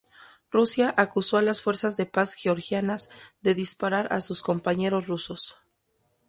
Rusia acusó a las fuerzas de paz georgianas de disparar a sus compañeros rusos.